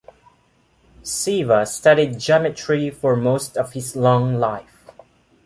Ceva studied geometry for most of his long life.